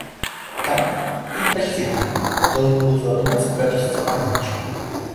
Так или почти так должен был задуматься Петр Степанович.